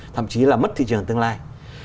thậm chí là mất thị trường tương lai